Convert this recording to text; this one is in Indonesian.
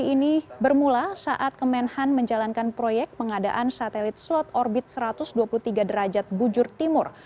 ini bermula saat kemenhan menjalankan proyek pengadaan satelit slot orbit satu ratus dua puluh tiga derajat bujur timur